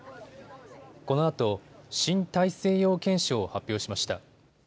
このあと新大西洋憲章を発表しました。